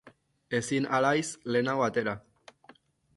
Ezin al haiz lehenago atera?